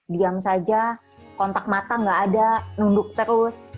diam saja kontak mata nggak ada nunduk terus